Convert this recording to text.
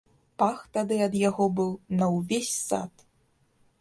Пах тады ад яго быў на ўвесь сад!